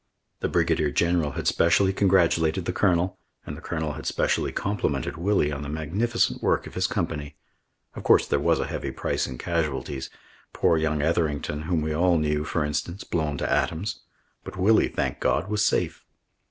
The Brigadier General had specially congratulated the Colonel, and the Colonel had specially complimented Willie on the magnificent work of his company. Of course there was a heavy price in casualties poor young Etherington, whom we all knew, for instance, blown to atoms but Willie, thank God! was safe.